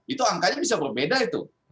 itu angkanya bisa berbeda itu